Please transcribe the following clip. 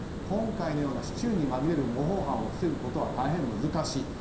今回のような市中に紛れる模倣犯を防ぐことは大変難しい。